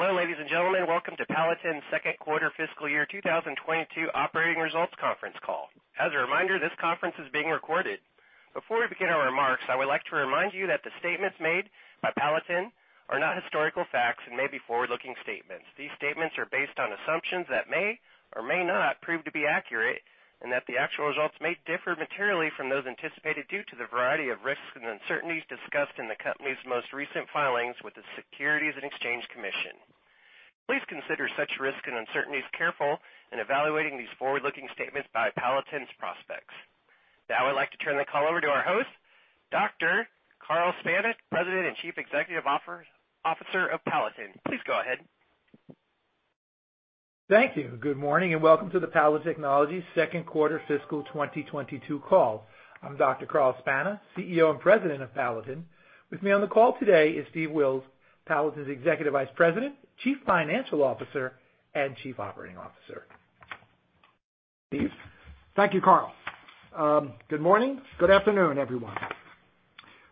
Hello, ladies and gentlemen. Welcome to Palatin's second quarter fiscal year 2022 operating results conference call. As a reminder, this conference is being recorded. Before we begin our remarks, I would like to remind you that the statements made by Palatin are not historical facts and may be forward-looking statements. These statements are based on assumptions that may or may not prove to be accurate, and that the actual results may differ materially from those anticipated due to the variety of risks and uncertainties discussed in the company's most recent filings with the Securities and Exchange Commission. Please consider such risks and uncertainties carefully in evaluating these forward-looking statements by Palatin's prospects. Now, I'd like to turn the call over to our host, Dr. Carl Spana, President and Chief Executive Officer of Palatin. Please go ahead. Thank you. Good morning, and welcome to the Palatin Technologies second quarter fiscal 2022 call. I'm Dr. Carl Spana, CEO and President of Palatin. With me on the call today is Steve Wills, Palatin's Executive Vice President, Chief Financial Officer, and Chief Operating Officer. Steve. Thank you, Carl. Good morning. Good afternoon, everyone.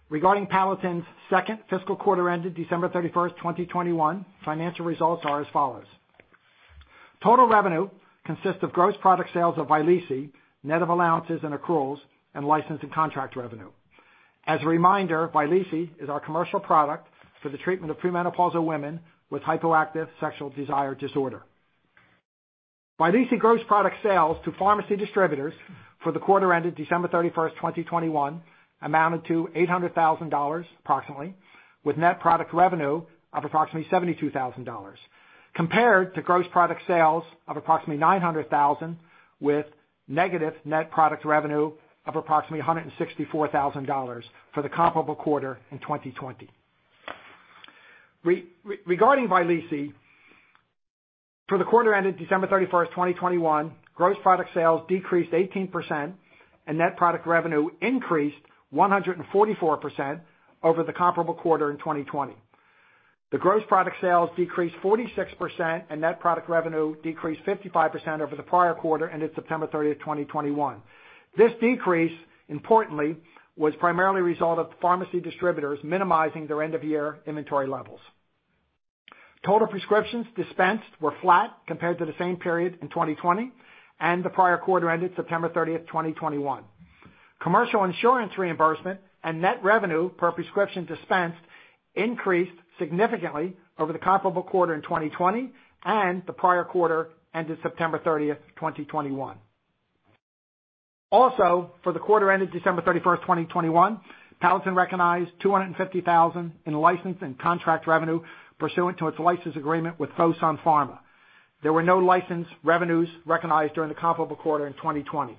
Regarding Palatin's second fiscal quarter ended December 31, 2021, financial results are as follows. Total revenue consists of gross product sales of Vyleesi, net of allowances and accruals, and license and contract revenue. As a reminder, Vyleesi is our commercial product for the treatment of premenopausal women with hypoactive sexual desire disorder. Vyleesi gross product sales to pharmacy distributors for the quarter ended December 31, 2021 amounted to approximately $800,000, with net product revenue of approximately $72,000, compared to gross product sales of approximately $900,000 with negative net product revenue of approximately $164,000 for the comparable quarter in 2020. Regarding Vyleesi, for the quarter ended December 31, 2021, gross product sales decreased 18% and net product revenue increased 144% over the comparable quarter in 2020. Gross product sales decreased 46% and net product revenue decreased 55% over the prior quarter ended September 30, 2021. This decrease, importantly, was primarily a result of pharmacy distributors minimizing their end-of-year inventory levels. Total prescriptions dispensed were flat compared to the same period in 2020 and the prior quarter ended September 30, 2021. Commercial insurance reimbursement and net revenue per prescription dispensed increased significantly over the comparable quarter in 2020 and the prior quarter ended September 30, 2021. Also, for the quarter ended December 31, 2021, Palatin recognized $250,000 in license and contract revenue pursuant to its license agreement with Fosun Pharma. There were no license revenues recognized during the comparable quarter in 2020.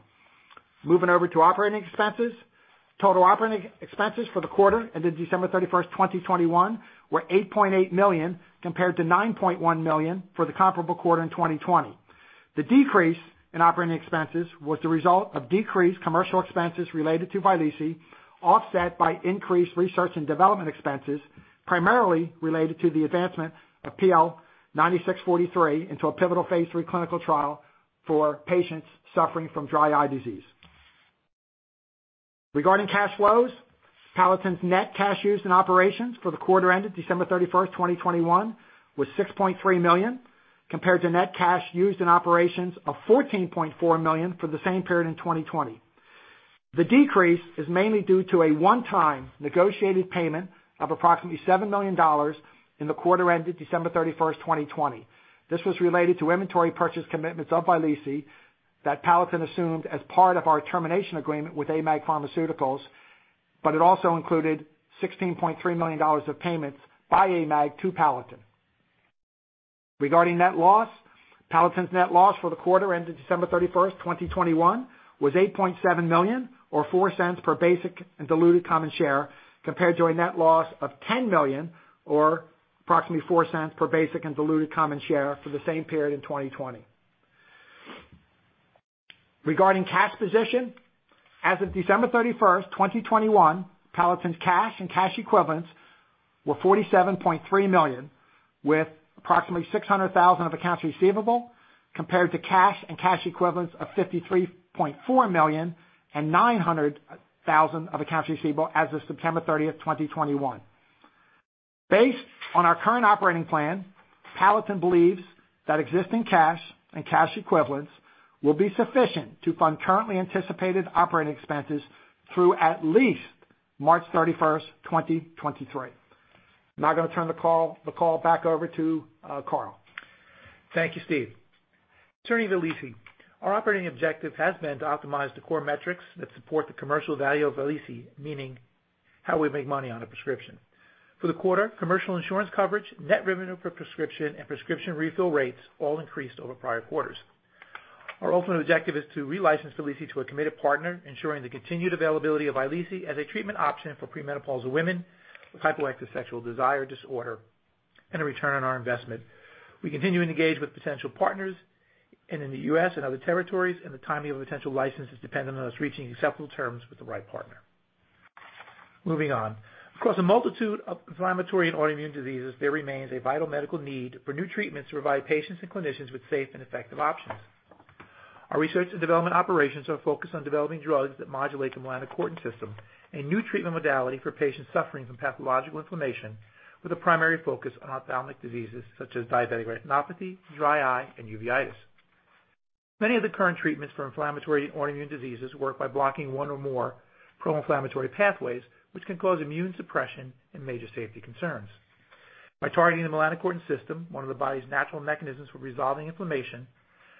Moving over to operating expenses. Total operating expenses for the quarter ended December 31, 2021 were $8.8 million, compared to $9.1 million for the comparable quarter in 2020. The decrease in operating expenses was the result of decreased commercial expenses related to Vyleesi, offset by increased research and development expenses, primarily related to the advancement of PL-9643 into a pivotal phase III clinical trial for patients suffering from dry eye disease. Regarding cash flows, Palatin's net cash used in operations for the quarter ended December 31, 2021 was $6.3 million, compared to net cash used in operations of $14.4 million for the same period in 2020. The decrease is mainly due to a one-time negotiated payment of approximately $7 million in the quarter ended December 31, 2020. This was related to inventory purchase commitments of Vyleesi that Palatin assumed as part of our termination agreement with AMAG Pharmaceuticals, but it also included $16.3 million of payments by AMAG to Palatin. Regarding net loss, Palatin's net loss for the quarter ended December 31, 2021 was $8.7 million or $0.04 per basic and diluted common share, compared to a net loss of $10 million or approximately $0.04 per basic and diluted common share for the same period in 2020. Regarding cash position, as of December 31, 2021, Palatin's cash and cash equivalents were $47.3 million, with approximately $600,000 of accounts receivable, compared to cash and cash equivalents of $53.4 million and $900,000 of accounts receivable as of September 30, 2021. Based on our current operating plan, Palatin believes that existing cash and cash equivalents will be sufficient to fund currently anticipated operating expenses through at least March 31, 2023. Now I'm gonna turn the call back over to Carl. Thank you, Steve. Turning to Vyleesi. Our operating objective has been to optimize the core metrics that support the commercial value of Vyleesi, meaning how we make money on a prescription. For the quarter, commercial insurance coverage, net revenue per prescription, and prescription refill rates all increased over prior quarters. Our ultimate objective is to relicense Vyleesi to a committed partner, ensuring the continued availability of Vyleesi as a treatment option for premenopausal women with hypoactive sexual desire disorder and a return on our investment. We continue to engage with potential partners in the U.S. and other territories, and the timing of a potential license is dependent on us reaching acceptable terms with the right partner. Moving on. Across a multitude of inflammatory and autoimmune diseases, there remains a vital medical need for new treatments to provide patients and clinicians with safe and effective options. Our research and development operations are focused on developing drugs that modulate the melanocortin system, a new treatment modality for patients suffering from pathological inflammation, with a primary focus on ophthalmic diseases such as diabetic retinopathy, dry eye, and uveitis. Many of the current treatments for inflammatory autoimmune diseases work by blocking one or more pro-inflammatory pathways, which can cause immune suppression and major safety concerns. By targeting the melanocortin system, one of the body's natural mechanisms for resolving inflammation,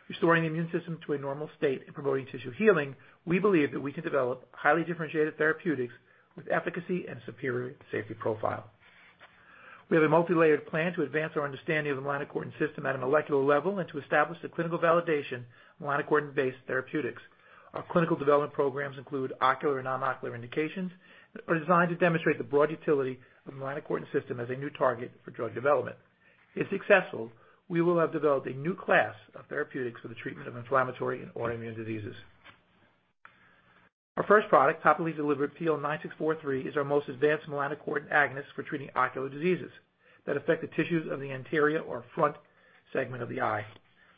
restoring the immune system to a normal state, and promoting tissue healing, we believe that we can develop highly differentiated therapeutics with efficacy and superior safety profile. We have a multilayered plan to advance our understanding of the melanocortin system at a molecular level and to establish the clinical validation of melanocortin-based therapeutics. Our clinical development programs include ocular and non-ocular indications that are designed to demonstrate the broad utility of the melanocortin system as a new target for drug development. If successful, we will have developed a new class of therapeutics for the treatment of inflammatory and autoimmune diseases. Our first product, topically delivered PL-9643, is our most advanced melanocortin agonist for treating ocular diseases that affect the tissues of the anterior or front segment of the eye.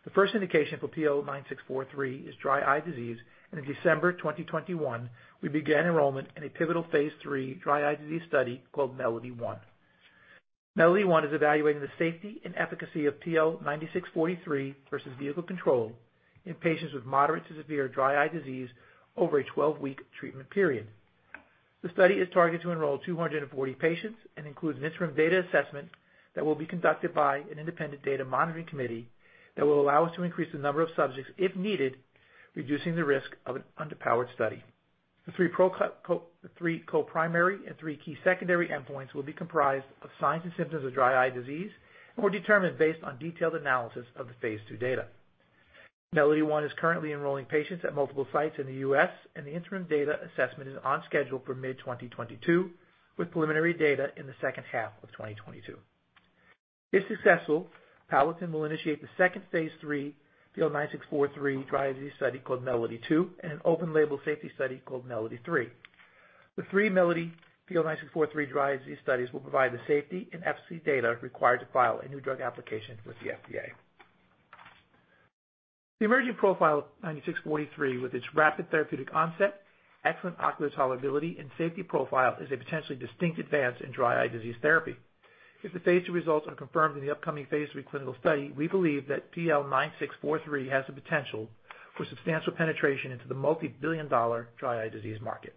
The first indication for PL-9643 is dry eye disease, and in December 2021, we began enrollment in a pivotal phase III dry eye disease study called MELODY-1. MELODY-1 is evaluating the safety and efficacy of PL-9643 versus vehicle control in patients with moderate to severe dry eye disease over a 12-week treatment period. The study is targeted to enroll 240 patients and includes an interim data assessment that will be conducted by an independent data monitoring committee that will allow us to increase the number of subjects if needed, reducing the risk of an underpowered study. The three co-primary and three key secondary endpoints will be comprised of signs and symptoms of dry eye disease and were determined based on detailed analysis of the phase II data. MELODY-1 is currently enrolling patients at multiple sites in the U.S., and the interim data assessment is on schedule for mid-2022, with preliminary data in the second half of 2022. If successful, Palatin will initiate the second phase III PL-9643 dry eye disease study called MELODY-2, and an open-label safety study called MELODY-3. The three MELODY PL-9643 dry eye disease studies will provide the safety and efficacy data required to file a New Drug Application with the FDA. The emerging profile of PL-9643, with its rapid therapeutic onset, excellent ocular tolerability, and safety profile is a potentially distinct advance in dry eye disease therapy. If the phase II results are confirmed in the upcoming phase III clinical study, we believe that PL-9643 has the potential for substantial penetration into the multibillion-dollar dry eye disease market.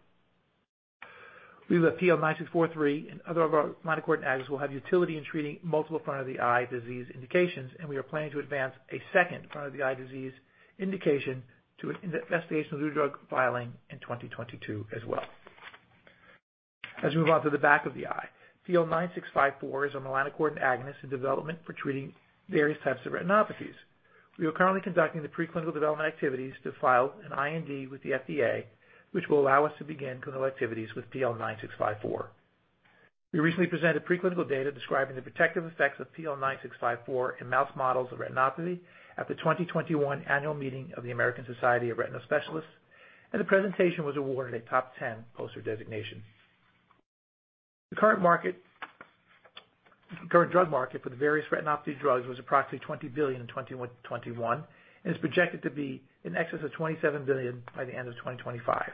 We believe that PL-9643 and other of our melanocortin agonists will have utility in treating multiple front-of-the-eye disease indications, and we are planning to advance a second front-of-the-eye disease indication to an investigational new drug filing in 2022 as well. As we move on to the back of the eye, PL-9654 is a melanocortin agonist in development for treating various types of retinopathies. We are currently conducting the preclinical development activities to file an IND with the FDA, which will allow us to begin clinical activities with PL-9654. We recently presented preclinical data describing the protective effects of PL-9654 in mouse models of retinopathy at the 2021 annual meeting of the American Society of Retina Specialists, and the presentation was awarded a top 10 poster designation. The current market, the current drug market for the various retinopathy drugs was approximately $20 billion in 2021 and is projected to be in excess of $27 billion by the end of 2025.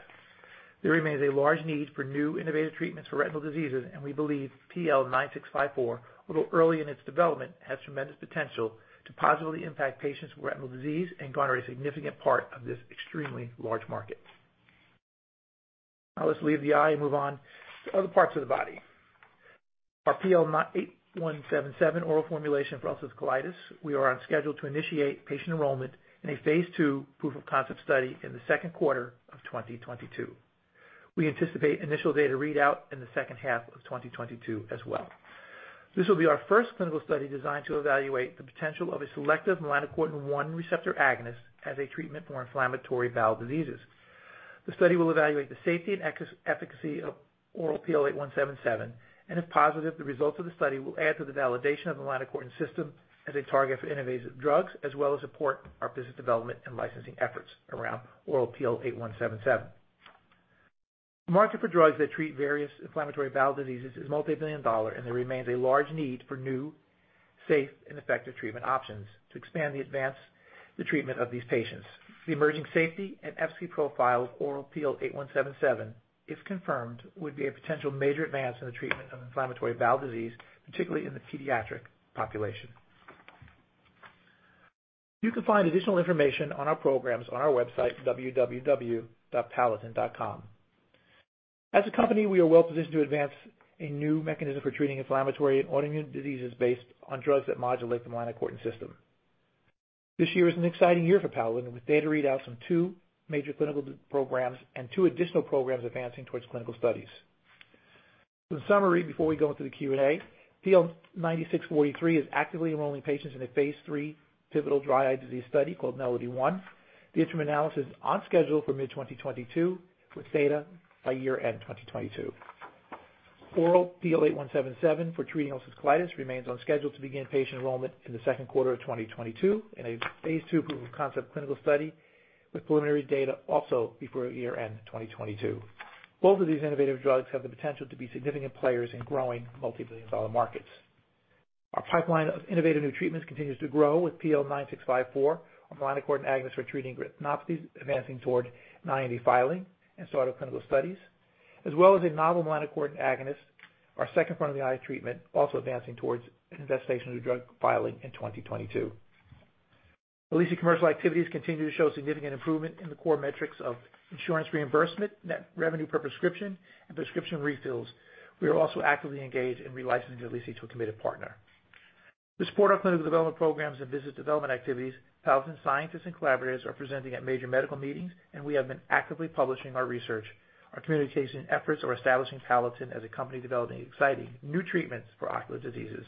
There remains a large need for new innovative treatments for retinal diseases, and we believe PL-9654, although early in its development, has tremendous potential to positively impact patients with retinal disease and garner a significant part of this extremely large market. Now let's leave the eye and move on to other parts of the body. Our PL-8177 oral formulation for ulcerative colitis, we are on schedule to initiate patient enrollment in a phase II proof of concept study in the second quarter of 2022. We anticipate initial data readout in the second half of 2022 as well. This will be our first clinical study designed to evaluate the potential of a selective melanocortin 1 receptor agonist as a treatment for inflammatory bowel diseases. The study will evaluate the safety and efficacy of oral PL-8177, and if positive, the results of the study will add to the validation of the melanocortin system as a target for innovative drugs, as well as support our business development and licensing efforts around oral PL-8177. The market for drugs that treat various inflammatory bowel diseases is multibillion-dollar, and there remains a large need for new, safe, and effective treatment options to expand and advance the treatment of these patients. The emerging safety and efficacy profile of oral PL-8177, if confirmed, would be a potential major advance in the treatment of inflammatory bowel disease, particularly in the pediatric population. You can find additional information on our programs on our website, www.palatin.com. As a company, we are well-positioned to advance a new mechanism for treating inflammatory and autoimmune diseases based on drugs that modulate the melanocortin system. This year is an exciting year for Palatin, with data readouts from two major clinical programs and two additional programs advancing towards clinical studies. In summary, before we go into the Q&A, PL-9643 is actively enrolling patients in a phase III pivotal dry eye disease study called MELODY-1. The interim analysis is on schedule for mid-2022, with data by year-end 2022. Oral PL-8177 for treating ulcerative colitis remains on schedule to begin patient enrollment in the second quarter of 2022 in a phase II proof of concept clinical study, with preliminary data also before year-end 2022. Both of these innovative drugs have the potential to be significant players in growing multibillion-dollar markets. Our pipeline of innovative new treatments continues to grow with PL-9654 melanocortin agonists for treating retinopathies, advancing toward IND filing and start-up clinical studies, as well as a novel melanocortin agonist. Our second front-of-the-eye treatment is also advancing towards an IND filing in 2022. Vyleesi commercial activities continue to show significant improvement in the core metrics of insurance reimbursement, net revenue per prescription, and prescription refills. We are also actively engaged in relicensing Vyleesi to a committed partner. To support our clinical development programs and business development activities, Palatin scientists and collaborators are presenting at major medical meetings, and we have been actively publishing our research. Our communication efforts are establishing Palatin as a company developing exciting new treatments for ocular diseases.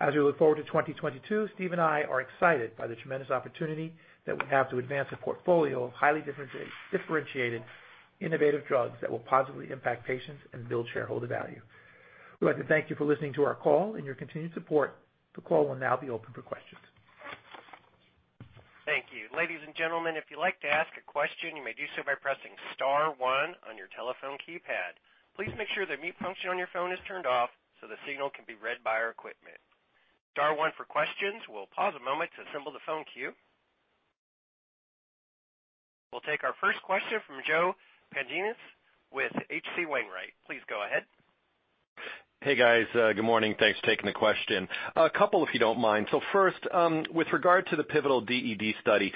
As we look forward to 2022, Steve and I are excited by the tremendous opportunity that we have to advance a portfolio of highly differentiated, innovative drugs that will positively impact patients and build shareholder value. We'd like to thank you for listening to our call and your continued support. The call will now be open for questions. Thank you. Ladies and gentlemen, if you'd like to ask a question, you may do so by pressing star one on your telephone keypad. Please make sure the mute function on your phone is turned off so the signal can be read by our equipment. Star one for questions. We'll pause a moment to assemble the phone queue. We'll take our first question from Joe Pantginis with H.C. Wainwright. Please go ahead. Hey, guys. Good morning. Thanks for taking the question. A couple, if you don't mind. First, with regard to the pivotal DED study,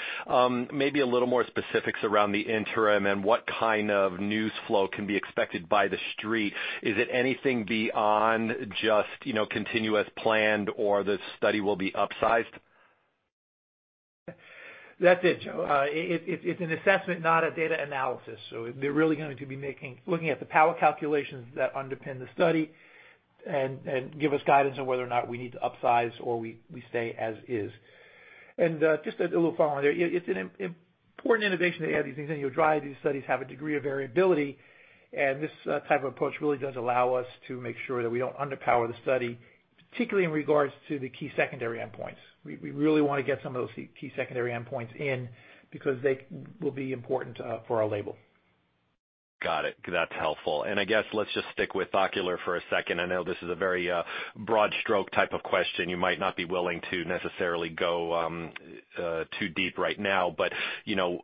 maybe a little more specifics around the interim and what kind of news flow can be expected by the street. Is it anything beyond just, you know, continuous planned or the study will be upsized? That's it, Joe. It's an assessment, not a data analysis. They're really going to be looking at the power calculations that underpin the study and give us guidance on whether or not we need to upsize or we stay as is. Just a little follow on there. It's an important innovation to add these things in. Dry eye studies have a degree of variability, and this type of approach really does allow us to make sure that we don't underpower the study, particularly in regards to the key secondary endpoints. We really want to get some of those key secondary endpoints in because they will be important for our label. Got it. That's helpful. I guess let's just stick with ocular for a second. I know this is a very, broad stroke type of question. You might not be willing to necessarily go, too deep right now, but, you know,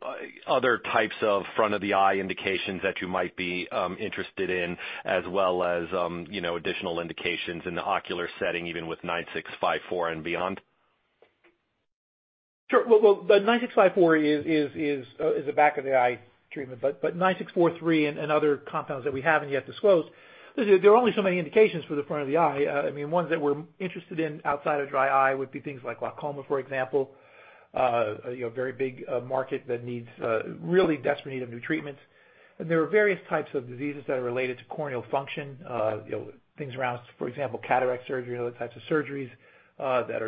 other types of front of the eye indications that you might be, interested in as well as, you know, additional indications in the ocular setting, even with 9654 and beyond. Sure. Well, the PL-9654 is a back of the eye treatment, but PL-9643 and other compounds that we haven't yet disclosed. There are only so many indications for the front of the eye. I mean, ones that we're interested in outside of dry eye would be things like glaucoma, for example, you know, a very big market that needs really desperate need of new treatments. There are various types of diseases that are related to corneal function, you know, things around, for example, cataract surgery and other types of surgeries that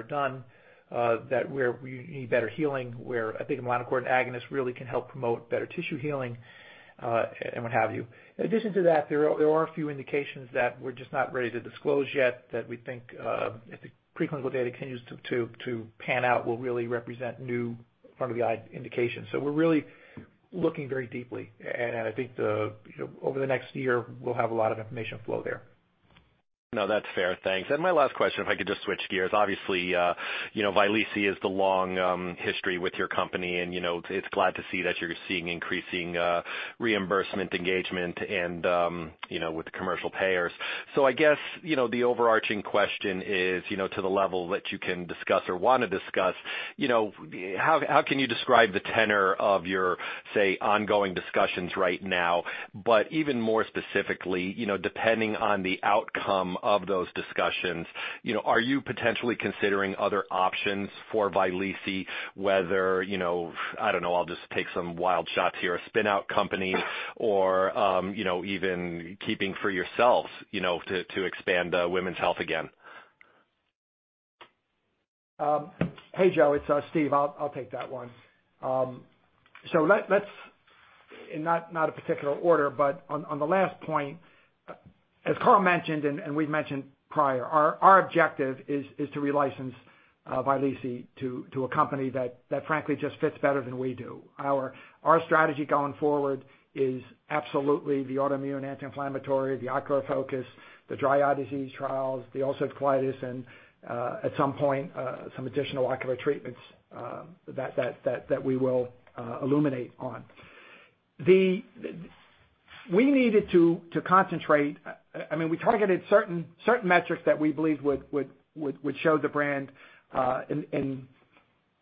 where we need better healing, where I think a melanocortin agonist really can help promote better tissue healing, and what have you. In addition to that, there are a few indications that we're just not ready to disclose yet that we think, if the preclinical data continues to pan out, will really represent new front of the eye indications. We're really looking very deeply, and I think, you know, over the next year, we'll have a lot of information flow there. No, that's fair. Thanks. My last question, if I could just switch gears. Obviously, you know, Vyleesi is the long history with your company, and, you know, it's glad to see that you're seeing increasing reimbursement engagement and, you know, with the commercial payers. I guess, you know, the overarching question is, you know, to the level that you can discuss or want to discuss, you know, how can you describe the tenor of your, say, ongoing discussions right now, but even more specifically, you know, depending on the outcome of those discussions, you know, are you potentially considering other options for Vyleesi, whether, you know, I don't know, I'll just take some wild shots here, a spin out company or, you know, even keeping for yourselves, you know, to expand women's health again? Hey, Joe, it's Steve. I'll take that one. Let's not in a particular order, but on the last point, as Carl mentioned and we've mentioned prior, our objective is to relicense Vyleesi to a company that frankly just fits better than we do. Our strategy going forward is absolutely the autoimmune anti-inflammatory, the ocular focus, the dry eye disease trials, the ulcerative colitis, and at some point some additional ocular treatments that we will illuminate on. We needed to concentrate. I mean, we targeted certain metrics that we believe would show the brand in...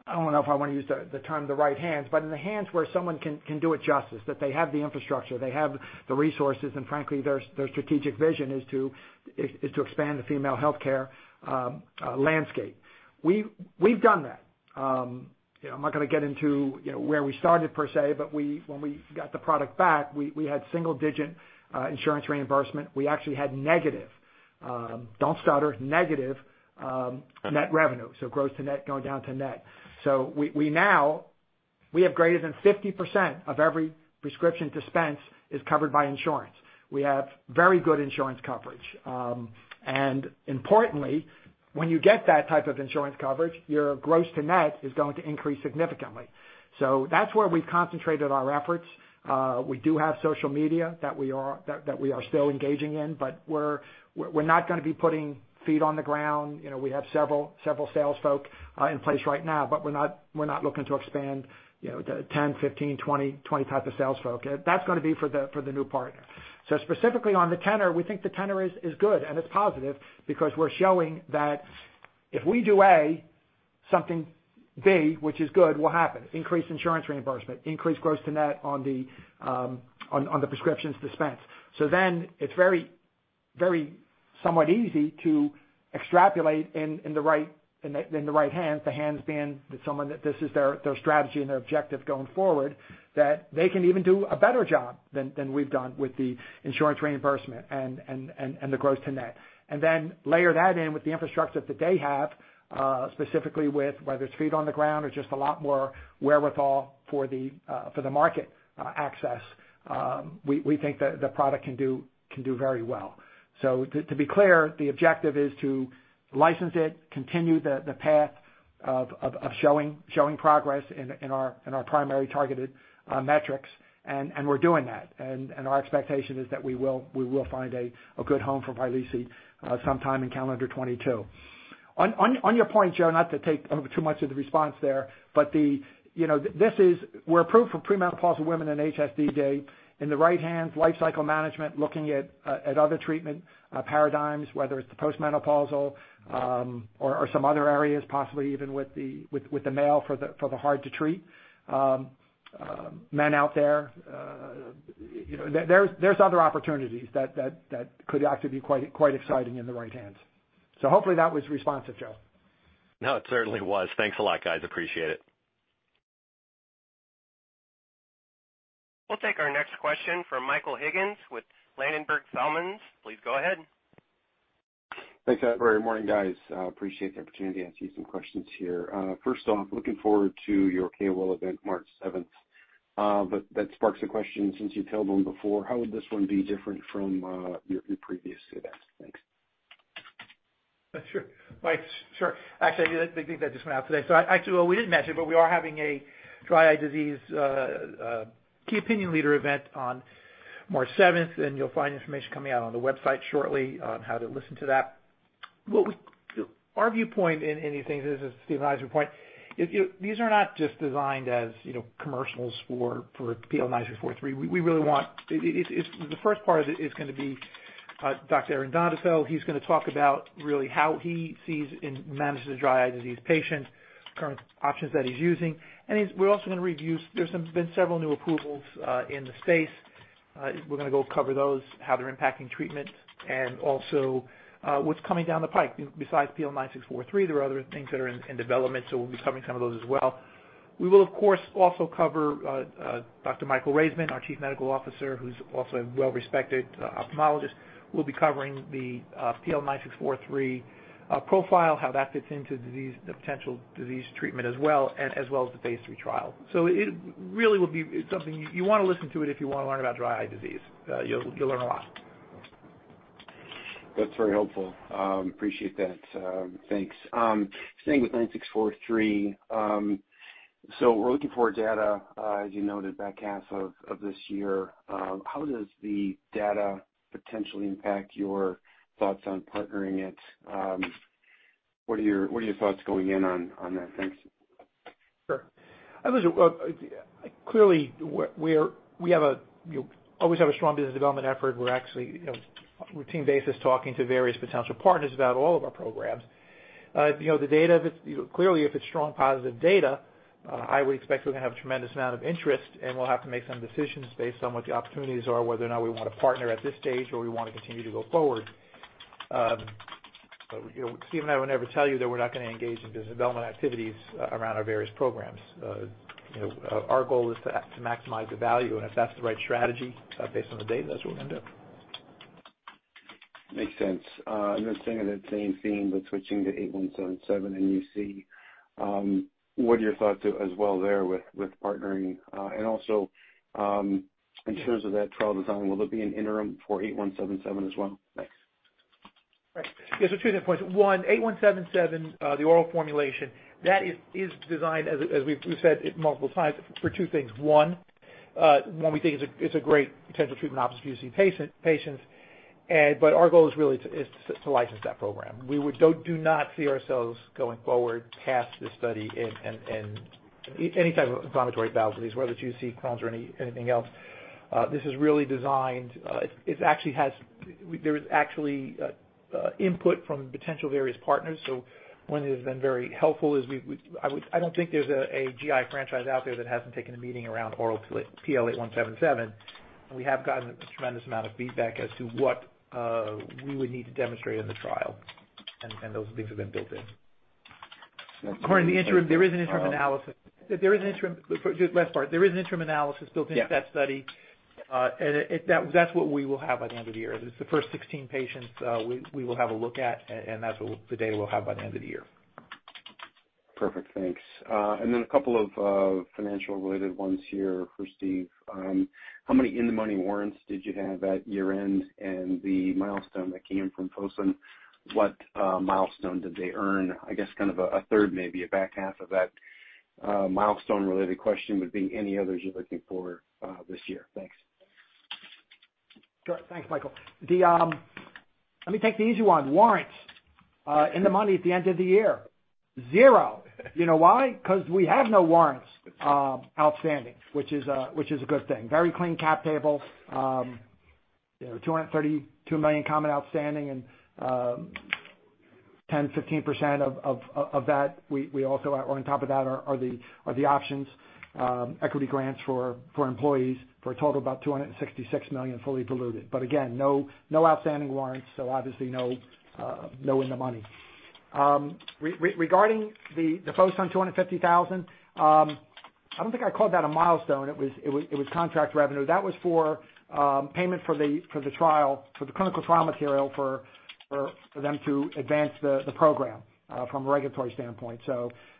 I don't know if I want to use the term the right hands, but in the hands where someone can do it justice, that they have the infrastructure, they have the resources, and frankly, their strategic vision is to expand the female healthcare landscape. We've done that. You know, I'm not gonna get into you know where we started per se, but when we got the product back, we had single-digit insurance reimbursement. We actually had negative net revenue, so gross to net going down to net. We now have greater than 50% of every prescription dispensed is covered by insurance. We have very good insurance coverage. Importantly, when you get that type of insurance coverage, your gross to net is going to increase significantly. That's where we've concentrated our efforts. We do have social media that we are still engaging in, but we're not gonna be putting feet on the ground. You know, we have several sales folk in place right now, but we're not looking to expand, you know, the 10, 15, 20+ sales folk. That's gonna be for the new partner. Specifically on the tenor, we think the tenor is good, and it's positive because we're showing that if we do A, something B, which is good, will happen. Increased insurance reimbursement, increased gross to net on the prescriptions dispensed. It's very somewhat easy to extrapolate in the right hands, the hands being someone that this is their strategy and their objective going forward, that they can even do a better job than we've done with the insurance reimbursement and the gross to net. Layer that in with the infrastructure that they have, specifically with whether it's feet on the ground or just a lot more wherewithal for the market access, we think the product can do very well. To be clear, the objective is to license it, continue the path of showing progress in our primary targeted metrics, and we're doing that. Our expectation is that we will find a good home for Vyleesi sometime in calendar 2022. On your point, Joe, not to take over too much of the response there, but you know, this is, we're approved for premenopausal women in HSDD. In the right hands, lifecycle management, looking at other treatment paradigms, whether it's the postmenopausal or some other areas, possibly even with the male for the hard to treat men out there. You know, there's other opportunities that could actually be quite exciting in the right hands. Hopefully that was responsive, Joe. No, it certainly was. Thanks a lot, guys. Appreciate it. We'll take our next question from Michael Higgins with Ladenburg Thalmann. Please go ahead. Thanks, operator. Morning, guys. Appreciate the opportunity to ask you some questions here. First off, looking forward to your KOL event March seventh. That sparks a question since you've held one before. How would this one be different from your previous events? Thanks. Sure. Mike, sure. Actually, I didn't think that just went out today. Actually, well, we didn't mention it, but we are having a dry eye disease key opinion leader event on March seventh, and you'll find information coming out on the website shortly on how to listen to that. Our viewpoint in these things is, as Stephen mentioned before, these are not just designed as, you know, commercials for PL-9643. We really want. The first part is gonna be Dr. Aaron Doudous. He's gonna talk about really how he sees and manages a dry eye disease patient, current options that he's using. We're also gonna review, there's some been several new approvals in the space. We're gonna go cover those, how they're impacting treatment, and also, what's coming down the pipe. Besides PL-9643, there are other things that are in development, so we'll be covering some of those as well. We will, of course, also cover Dr. Michael Raizman, our Chief Medical Officer, who's also a well-respected ophthalmologist, will be covering the PL-9643 profile, how that fits into disease, the potential disease treatment as well as the phase III trial. It really will be something you wanna listen to it if you wanna learn about dry eye disease. You'll learn a lot. That's very helpful. Appreciate that. Thanks. Staying with 9643, we're looking for data, as you noted, back half of this year. How does the data potentially impact your thoughts on partnering it? What are your thoughts going in on that? Thanks. Sure. Clearly, we always have a strong business development effort. We're actually, on a routine basis, talking to various potential partners about all of our programs. You know, the data, if it's strong, positive data, I would expect we're gonna have a tremendous amount of interest, and we'll have to make some decisions based on what the opportunities are, whether or not we want to partner at this stage or we want to continue to go forward. You know, Stephen and I would never tell you that we're not gonna engage in business development activities around our various programs. You know, our goal is to maximize the value, and if that's the right strategy, based on the data, that's what we're gonna do. Makes sense. Staying in that same theme, but switching to 8177 and UC, what are your thoughts as well there with partnering? In terms of that trial design, will there be an interim for 8177 as well? Thanks. Right. Yeah, two different points. One, 8177, the oral formulation, that is designed, as we've said it multiple times, for two things. One, we think it's a great potential treatment option for UC patients. Our goal is really to license that program. We do not see ourselves going forward past this study in any type of inflammatory bowel disease, whether it's UC, Crohn's, or anything else. This is really designed. It actually has input from potential various partners. One that has been very helpful is we've. I don't think there's a GI franchise out there that hasn't taken a meeting around oral PL-8177. We have gotten a tremendous amount of feedback as to what we would need to demonstrate in the trial. Those things have been built in. According to the interim, there is an interim analysis built into that study, and that's what we will have by the end of the year. It's the first 16 patients we will have a look at, and that's what the data we'll have by the end of the year. Perfect. Thanks. A couple of financial related ones here for Steve. How many in-the-money warrants did you have at year-end? The milestone that came from Fosun, what milestone did they earn? I guess kind of a third, maybe a back half of that, milestone related question would be any others you're looking for, this year. Thanks. Sure. Thanks, Michael. Let me take the easy one. Warrants in the money at the end of the year, zero. You know why? 'Cause we have no warrants outstanding, which is a good thing. Very clean cap table. You know, 232 million common outstanding and 10%-15% of that we also are on top of that are the options equity grants for employees for a total of about 266 million fully diluted. But again, no outstanding warrants, so obviously no in the money. Regarding the Fosun $250,000, I don't think I called that a milestone. It was contract revenue. That was for payment for the trial, for the clinical trial material for them to advance the program from a regulatory standpoint.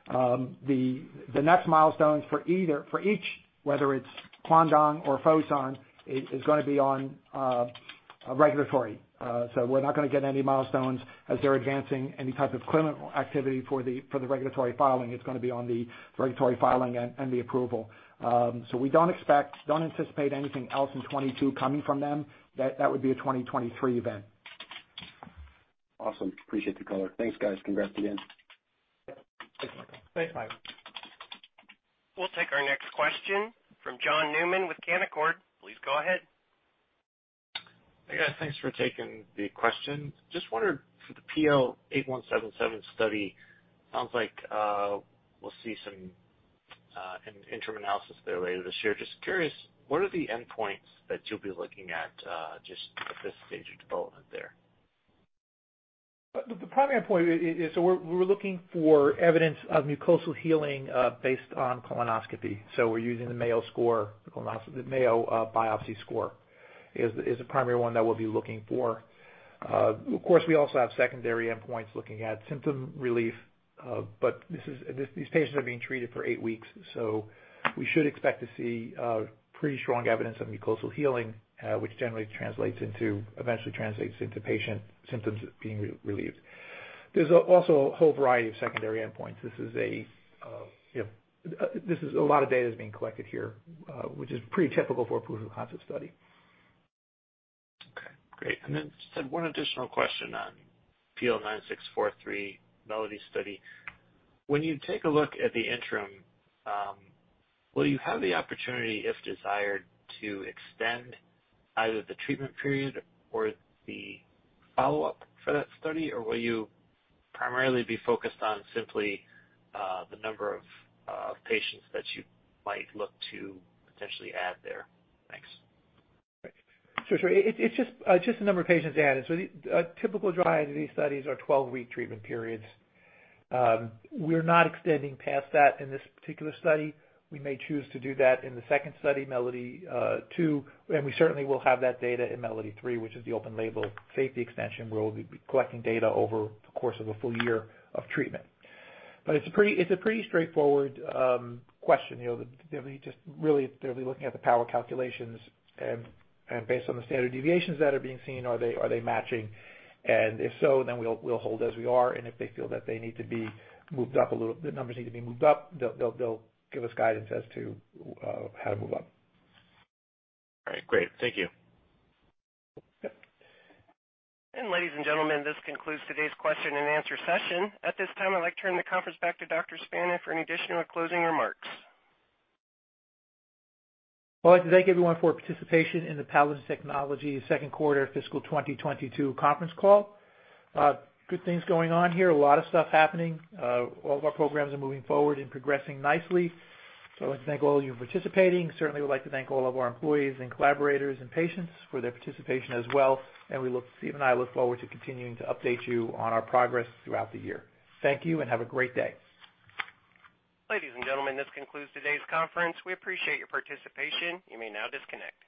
The next milestones for each, whether it's Kwangdong or Fosun, is gonna be on a regulatory. We're not gonna get any milestones as they're advancing any type of clinical activity for the regulatory filing. It's gonna be on the regulatory filing and the approval. We don't expect, don't anticipate anything else in 2022 coming from them. That would be a 2023 event. Awesome. Appreciate the color. Thanks, guys. Congrats again. Thanks, Michael. Thanks, Michael. We'll take our next question from John Newman with Canaccord. Please go ahead. Hey, guys. Thanks for taking the question. Just wondered for the PL-8177 study, sounds like we'll see some interim analysis there later this year. Just curious, what are the endpoints that you'll be looking at just at this stage of development there? The primary endpoint is. We're looking for evidence of mucosal healing based on colonoscopy. We're using the Mayo score, the colonoscopy. The Mayo biopsy score is the primary one that we'll be looking for. Of course, we also have secondary endpoints looking at symptom relief, but these patients are being treated for eight weeks. We should expect to see pretty strong evidence of mucosal healing, which generally translates into, eventually translates into patient symptoms being relieved. There's also a whole variety of secondary endpoints. This is, you know, a lot of data that's being collected here, which is pretty typical for a proof of concept study. Okay, great. Just had one additional question on PL-9643 MELODY study. When you take a look at the interim, will you have the opportunity, if desired, to extend either the treatment period or the follow-up for that study? Or will you primarily be focused on simply, the number of patients that you might look to potentially add there? Thanks. Sure, sure. It's just the number of patients added. The typical duration of these studies are 12-week treatment periods. We're not extending past that in this particular study. We may choose to do that in the second study, MELODY-2. We certainly will have that data in MELODY-3, which is the open-label safety extension, where we'll be collecting data over the course of a full year of treatment. It's a pretty straightforward question. You know, they'll be just really looking at the power calculations and based on the standard deviations that are being seen, are they matching? If so, then we'll hold as we are. If they feel that they need to be moved up a little, the numbers need to be moved up, they'll give us guidance as to how to move up. All right, great. Thank you. Yep. Ladies and gentlemen, this concludes today's question and answer session. At this time, I'd like to turn the conference back to Dr. Spana for any additional closing remarks. I'd like to thank everyone for participation in the Palatin Technologies second quarter fiscal 2022 conference call. Good things going on here. A lot of stuff happening. All of our programs are moving forward and progressing nicely. I'd like to thank all of you for participating. I certainly would like to thank all of our employees and collaborators and patients for their participation as well. Steve and I look forward to continuing to update you on our progress throughout the year. Thank you and have a great day. Ladies and gentlemen, this concludes today's conference. We appreciate your participation. You may now disconnect.